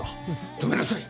止めなさい。